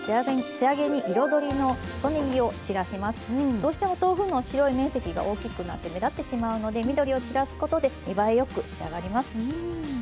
どうしても豆腐の白い面積が大きくなって目立ってしまうので緑を散らすことで見栄えよく仕上がります。